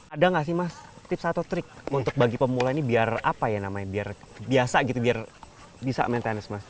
ada nggak sih mas tips atau trik untuk bagi pemula ini biar apa ya namanya biar biasa gitu biar bisa maintenance mas